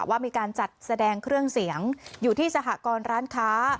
ว่ามีการจัดแสดงเครื่องเสียงอยู่ที่สหกรร้านค้า